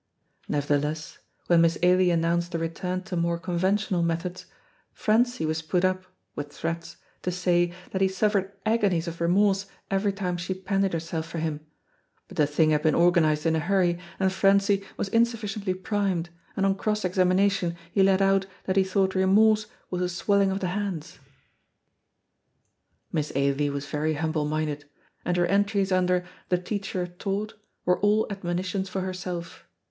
Nevertheless, when Miss Ailie announced a return to more conventional methods, Francie was put up (with threats) to say that he suffered agonies of remorse every time she pandied herself for him, but the thing had been organized in a hurry and Francie was insufficiently primed, and on cross examination he let out that he thought remorse was a swelling of the hands. Miss Ailie was very humble minded, and her entries under THE TEACHER TAUGHT were all admonitions for herself.